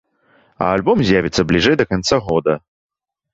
А альбом з'явіцца бліжэй да канца года.